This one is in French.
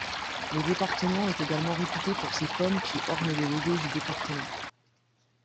Le département est également réputé pour ses pommes qui ornent le logo du département.